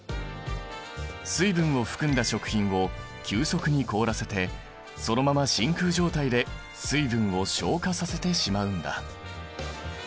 水分を含んだ食品を急速に凍らせてそのまま真空状態で水分を昇華させてしまうんだ。